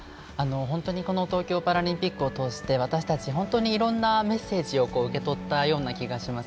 本当にこの東京パラリンピックを通して私たちは本当にいろんなメッセージを受け取ったような気がします。